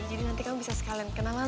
jadi nanti kamu bisa sekalian kenalan